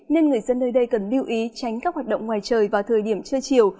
nên người dân nơi đây cần lưu ý tránh các hoạt động ngoài trời vào thời điểm trưa chiều